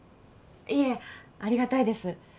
いえありがたいです